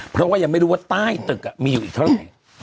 เพราะว่ายังไม่รู้ว่าใต้ตึกมีอยู่อีกเท่าไหร่